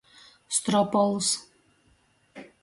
Stropols.